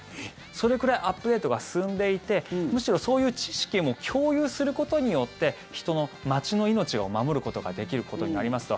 それくらいアップデートが進んでいてむしろ、そういう知識も共有することによって人の、街の命を守ることができることになりますと。